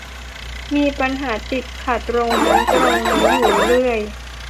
มีปัญหาติดขัดตรงนั้นตรงนี้อยู่เรื่อย